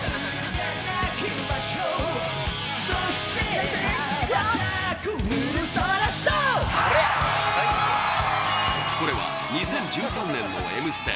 第３位はこれは２０１３年の「Ｍステ」